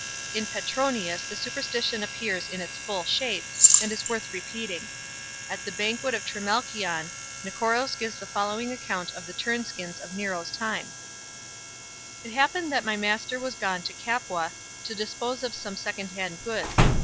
In Petronius the superstition appears in its full shape, and is worth repeating. At the banquet of Trimalchion, Nicoros gives the following account of the turn skins of Nero's time: "It happened that my master was gone to Capua to dispose of some second hand goods.